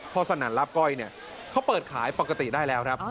พ่อสนันลับก้อยเขาเปิดขายปกติได้แล้วครับ